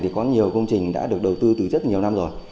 thì có nhiều công trình đã được đầu tư từ rất nhiều năm rồi